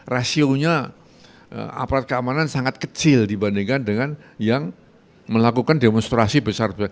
rasionya aparat keamanan sangat kecil dibandingkan dengan yang melakukan demonstrasi besar besaran